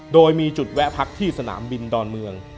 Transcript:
โดยมีจุดแวะพักที่สนามบินดอนเมือง